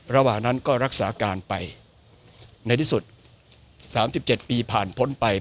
ระหว่างนั้นก็รักษาการไปในที่สุด๓๗ปีผ่านพ้นไป